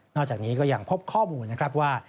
นอกจากนี้ก็ยังพบข้อมูลว่า